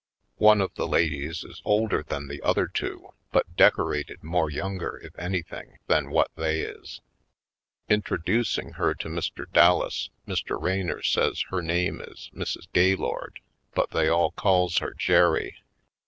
One of the ladies is older than the other two, but decorated more younger, if anything, than what they is. Introducing her to Mr. Dal las, Mr. Raynor says her name is Mrs. Gay lord but they all calls her Jerry.